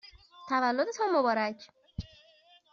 تولدتان مبارک!